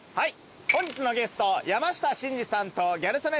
本日のゲスト山下真司さんとギャル曽根さんです。